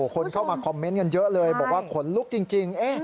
คนเข้ามาคอมเมนต์กันเยอะเลยบอกว่าขนลุกจริง